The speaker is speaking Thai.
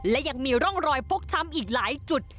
และยังมีร่องรอยฟกช้ำอีกหลายจุด